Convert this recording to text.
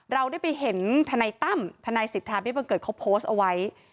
เราได้ไปเห็นทนายตั้มทนายสิทธาเบี้บังเกิดเขาโพสต์เอาไว้